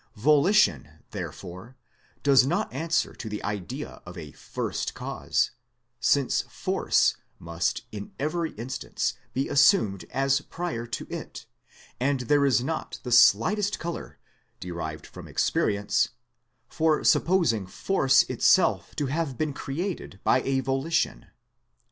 Voli tion, therefore, does not answer to the idea of a First Cause; since Force must in every instance be assumed as prior to it ; and there is not the slightest colour, derived from experience, for supposing Force itself to have been created by a volition.